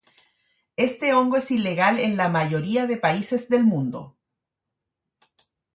Este hongo es ilegal en la mayoría de países del mundo.